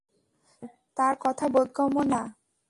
Sir, তার কথা বোধগম্য না।